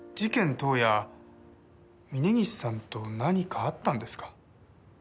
当夜峰岸さんと何かあったんですか？